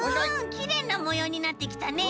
きれいなもようになってきたね。